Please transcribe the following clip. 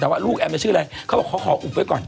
แต่ว่าลูกแอมเป็นชื่ออะไรเขาบอกเขาขออุบไว้ก่อน